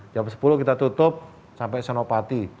jam sepuluh kita tutup sampai senopati